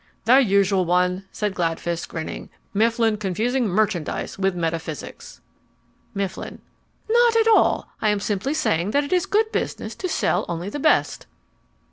"The usual one," said Gladfist, grinning, "Mifflin confusing merchandise with metaphysics." MIFFLIN Not at all. I am simply saying that it is good business to sell only the best.